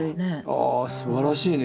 ああすばらしいね